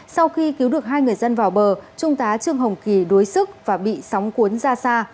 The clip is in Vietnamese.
sau khi cứu được hai người dân vào bờ trung tá trương hồng kỳ đuối sức và bị sóng cuốn ra xa